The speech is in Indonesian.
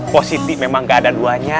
pak siti memang gak ada duanya